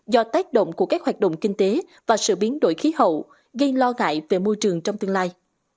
do tác động của các hoạt động kinh tế và sự biến đổi khí hậu gây lo ngại về môi trường trong tương lai